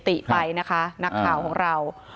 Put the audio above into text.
ติไปนะคะนักข่าวของเรา